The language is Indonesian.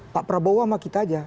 pak prabowo sama kita aja